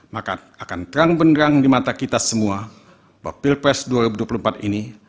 maka akan terang benerang di mata kita semua bahwa pilpres dua ribu dua puluh empat ini